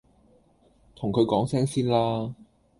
同佢講聲先啦！